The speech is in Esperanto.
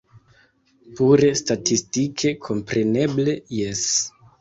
Pure statistike kompreneble jes.